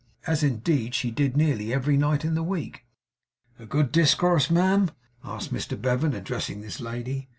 as, indeed, she did nearly every night in the week. 'A good discourse, ma'am?' asked Mr Bevan, addressing this lady.